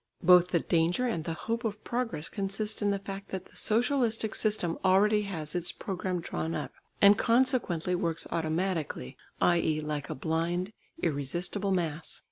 Both the danger and the hope of progress consist in the fact that the socialistic system already has its programme drawn up and consequently works automatically, i.e. like a blind, irresistible mass.